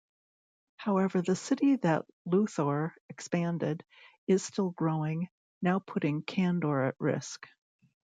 However the city that Luthor expanded is still growing, now putting Kandor at risk.